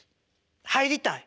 入りたい？